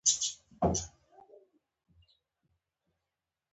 د ځوانانو د شخصي پرمختګ لپاره پکار ده چې روغتیا ښه کړي.